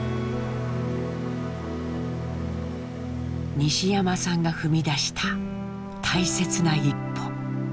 西山さんが踏み出した大切な一歩。